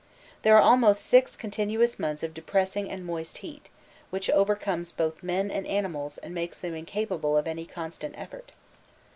There are almost six continuous months of depressing and moist heat, which overcomes both men and animals and makes them incapable of any constant effort.